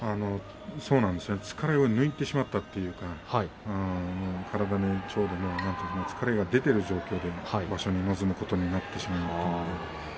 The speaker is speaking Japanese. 疲れを抜いてしまったというか体に疲れが出ている状況で場所に臨むことになってしまったんです。